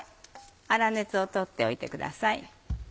粗熱をとっておいてください。